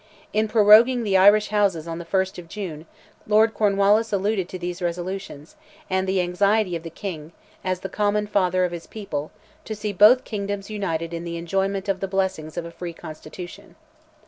In proroguing the Irish Houses on the 1st of June, Lord Cornwallis alluded to these resolutions, and the anxiety of the King, as the common father of his people, to see both kingdoms united in the enjoyment of the blessings of a free constitution.